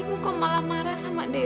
ibu kok malah marah sama dewi